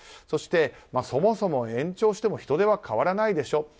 そしてそもそも延長しても人出は変わらないでしょ。